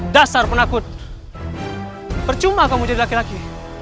dasar penakut percuma kamu jadi laki laki